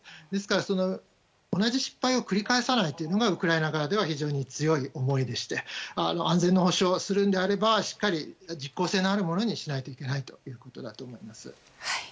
ですから、同じ失敗を繰り返さないというのがウクライナ側では非常に強い思いでして安全の保障をするのであればしっかり実行性のあるものにしないといけないということだと思います。